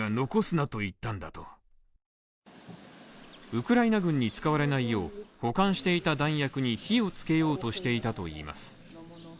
ウクライナ軍に使われないよう保管していた弾薬に火をつけようとしていたといいます。